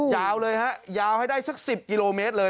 ยาวเลยฮะยาวให้ได้สัก๑๐กิโลเมตรเลย